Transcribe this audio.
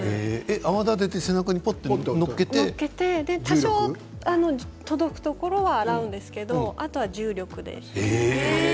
泡立てて背中に向けて多少届くところは洗うんですけどあとは重力で。